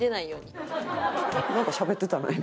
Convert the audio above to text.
なんかしゃべってたな今。